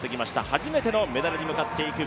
初めてのメダルに向かっていきます